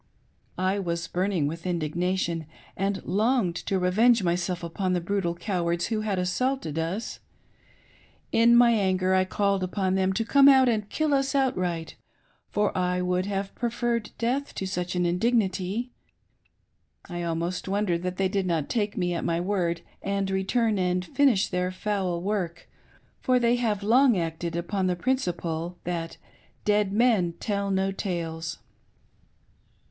I was burning with indignation, and longed to revenge myself upon the brutal cowards who had assaulted us. In my anger I called upon them to come and kill us out right, for I would have preferred death to such an indignity; I almost wonder that they did not take me at my word and return and finish tfieir foul work, for they have long acted upon the principle that "dead men tell no tales."